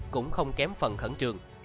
cũng không kém phần khẩn trường